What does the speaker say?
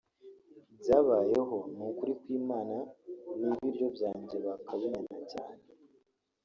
Byabayeho ni ukuri kw’Imana n’ibiryo byanjye bakabimena cyane